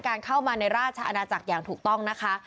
เข้ามาในราชอาณาจักรอย่างถูกต้องนะคะ